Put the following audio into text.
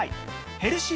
ヘルシー